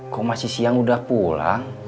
kok masih siang udah pulang